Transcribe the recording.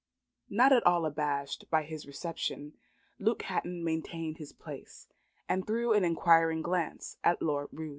Not at all abashed by this reception, Luke Hatton maintained his place, and threw an inquiring glance at Lord Roos.